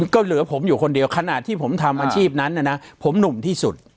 ก็เหลือผมอยู่คนเดียวขณะที่ผมทำอาชีพนั้นนะผมหนุ่มที่สุด